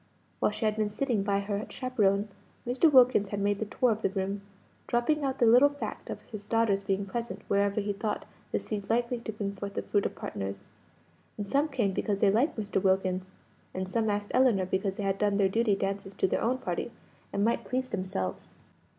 While she had been sitting by her chaperone, Mr. Wilkins had made the tour of the room, dropping out the little fact of his daughter's being present wherever he thought the seed likely to bring forth the fruit of partners. And some came because they liked Mr. Wilkins, and some asked Ellinor because they had done their duty dances to their own party, and might please themselves.